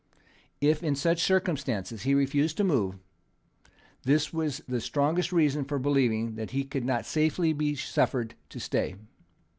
If, in such circumstances, he refused to move, this was the strongest reason for believing that he could not safely be suffered to stay.